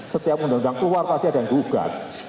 setiap undang undang keluar pasti ada yang gugat